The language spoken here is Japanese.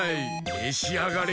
めしあがれ！